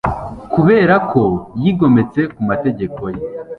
kubera ko yigometse ku mategeko ye